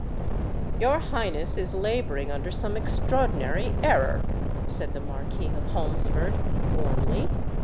"Your Highness is labouring under some extraordinary error," said the Marquis of Holmesford, warmly.